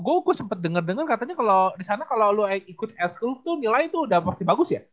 gue sempet denger denger katanya kalo disana kalo lu ikut s kultu nilai tuh udah pasti bagus ya